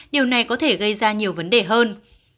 điều này có thể gây ra nhiều vấn đề hơn